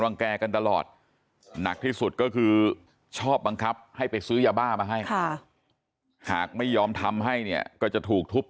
กันตลอดหนักที่สุดก็คือชอบบังคับให้ไปซื้อยาบ้ามาให้หากไม่ยอมทำให้เนี่ยก็จะถูกทุบ